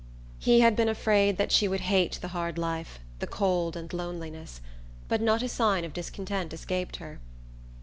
He had been afraid that she would hate the hard life, the cold and loneliness; but not a sign of discontent escaped her.